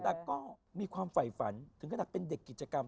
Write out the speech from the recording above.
แต่ก็มีความไฝฝันถึงขนาดเป็นเด็กกิจกรรม